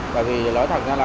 bởi vì nói thẳng ra là